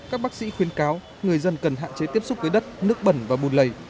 các bác sĩ khuyên cáo người dân cần hạn chế tiếp xúc với đất nước bẩn và bùn lầy